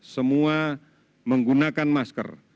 semua menggunakan masker